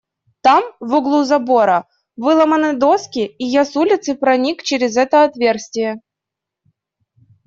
Там, в углу забора, выломаны доски, и я с улицы проник через это отверстие.